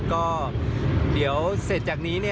ก็เดี๋ยวเสร็จจากนี้